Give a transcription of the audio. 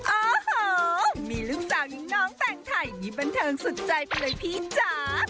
โอ้โหมีลูกสาวน้องแต่งไทยนี่บันเทิงสุดใจไปเลยพี่จ๋า